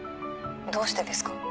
どうしてですか？